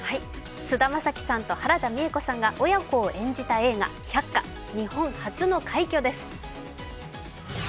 菅田将暉さんと原田さんが親子を演じた映画「百花」、日本初の快挙です。